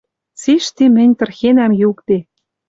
Цишти мӹнь тырхенӓм юкде